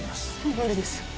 無理です